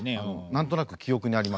何となく記憶にあります。